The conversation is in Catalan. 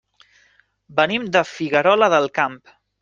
Venim de Figuerola del Camp.